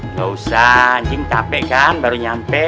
nggak usah anjing capek kan baru nyampe